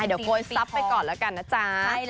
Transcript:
เดี๋ยวโกยซับไปก่อนละกันนะจ๊ะ